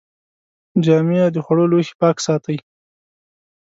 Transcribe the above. جامې او د خوړو لوښي پاک ساتئ.